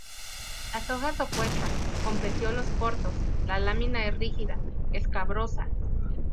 Las hojas opuestas, con pecíolos cortos, la lámina es rígida, escabrosa.